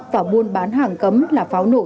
và buôn bán hàng cấm là pháo nổ